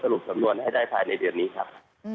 รุปสำนวนให้ได้ภายในเดือนนี้ครับ